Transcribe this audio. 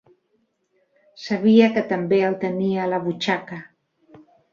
Sabia que també el tenia a la butxaca.